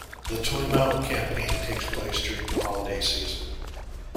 The Toy Mountain campaign takes place during the holiday season.